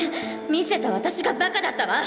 見せた私がバカだったわ。